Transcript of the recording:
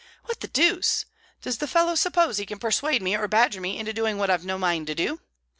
What the deuce! does the fellow suppose he can persuade me or badger me into doing what I've no mind to do?